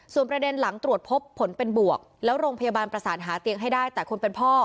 ส่วนประเด็นหลังตรวจพบผลเป็นบวกแล้วโรงพยาบาลประสานหาเตียงให้ได้แต่คนเป็นพ่อ